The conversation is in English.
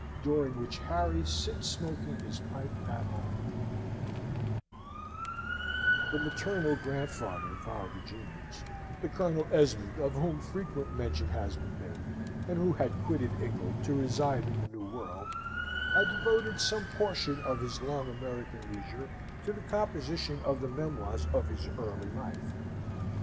During which Harry sits smoking his Pipe at Home The maternal grandfather of our Virginians, the Colonel Esmond of whom frequent mention has been made, and who had quitted England to reside in the New World, had devoted some portion of his long American leisure to the composition of the memoirs of his early life.